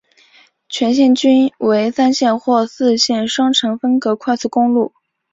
全线均为三线或四线双程分隔快速公路。